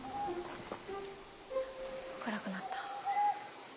暗くなった。